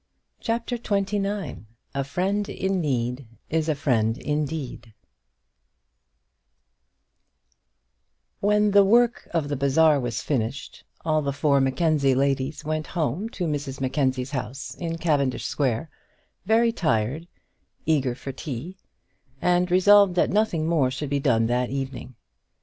CHAPTER XXIX A Friend in Need Is a Friend Indeed When the work of the bazaar was finished all the four Mackenzie ladies went home to Mrs Mackenzie's house in Cavendish Square, very tired, eager for tea, and resolved that nothing more should be done that evening.